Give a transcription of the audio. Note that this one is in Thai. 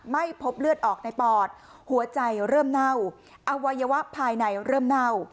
ไม่พบเลือดออกในปอดหัวใจเริ่มเน่าอวัยวะภายในเริ่มเน่า